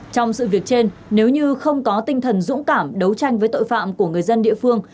trong sự việc trên nếu như không có tinh thần dũng cảm đấu tranh với tội phạm của người dân địa phương